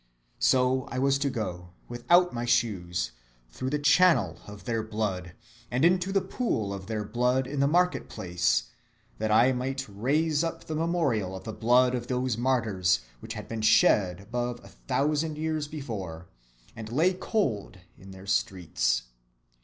So I was to go, without my shoes, through the channel of their blood, and into the pool of their blood in the market‐place, that I might raise up the memorial of the blood of those martyrs, which had been shed above a thousand years before, and lay cold in their streets.